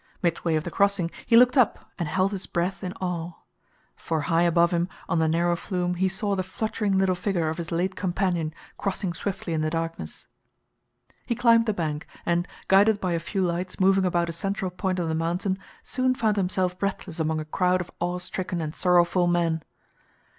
Midway of the crossing he looked up and held his breath in awe. For high above him on the narrow flume he saw the fluttering little figure of his late companion crossing swiftly in the darkness. He climbed the bank, and, guided by a few lights moving about a central point on the mountain, soon found himself breathless among a crowd of awe stricken and sorrowful men.